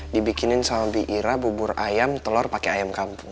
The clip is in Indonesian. dibikinin sambal biira bubur ayam telur pake ayam kampung